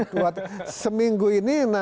buat seminggu ini nanti harus segera